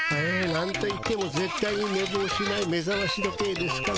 なんといってもぜっ対にねぼうしないめざまし時計ですから。